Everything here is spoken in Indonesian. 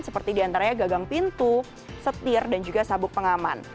seperti diantaranya gagang pintu setir dan juga sabuk pengaman